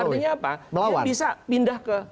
artinya apa dia bisa pindah ke